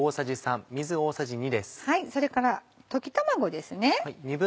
それから溶き卵です。